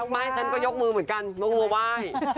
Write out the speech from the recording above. ไม่ฉันก็ยกมือเหมือนกันไม่กลัวว่าย